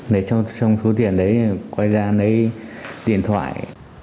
lấy trong số tiền đấy quay ra lấy điện thoại